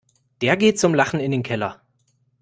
Der geht zum Lachen in den Keller.